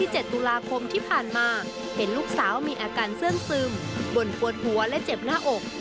เชื่อนซึมบ่นปวดหัวและเจ็บหน้าอก